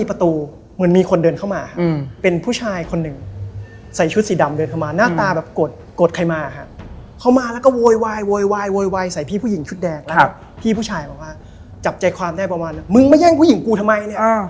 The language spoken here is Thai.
ผมก็เลยเดินตามพี่พุจการขึ้นไปครับ